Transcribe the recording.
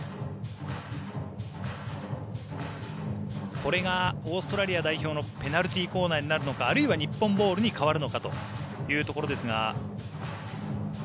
これがオーストラリア代表のペナルティーコーナーになるのかあるいは日本ボールに変わるのかというところですが。